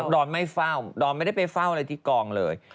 ดอนไม่เฝ้าดอนไม่ได้ไปเฝ้าอะไรที่กองเลย